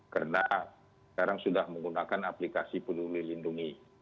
karena sekarang sudah menggunakan aplikasi peduli lindungi